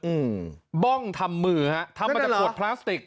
อืมบ้องทำมือฮะทำมาจากขวดพลาสติก